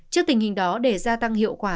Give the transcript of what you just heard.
trước tình hình đó để gia tăng hiệu quả